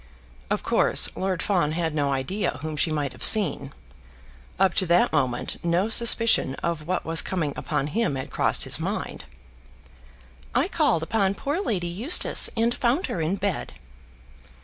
Of course, Lord Fawn had no idea whom she might have seen. Up to that moment no suspicion of what was coming upon him had crossed his mind. "I called upon poor Lady Eustace, and found her in bed."